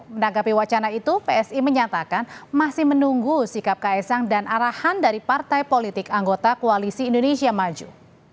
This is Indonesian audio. menanggapi wacana itu psi menyatakan masih menunggu sikap ks sang dan arahan dari partai politik anggota koalisi indonesia maju